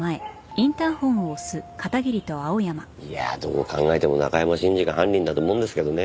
いやどう考えても中山信二が犯人だと思うんですけどねえ。